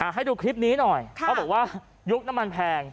ให้ดูคลิปนี้หน่อยเขาบอกว่ายุคน้ำมันแพง